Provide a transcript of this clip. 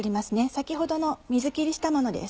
先ほどの水切りしたものです。